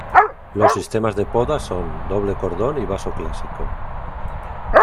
Los sistemas de poda son doble cordón y vaso clásico.